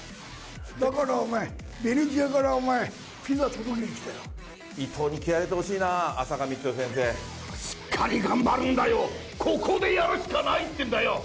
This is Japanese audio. だからお前、ベネチアからお前、伊藤に気合い入れてほしいな、しっかり頑張るんだよ、ここでやるしかないってんだよ。